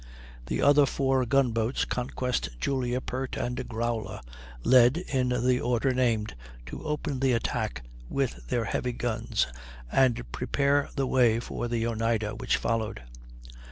The other four gun boats, Conquest, Julia, Pert, and Growler, led, in the order named, to open the attack with their heavy guns, and prepare the way for the Oneida, which followed.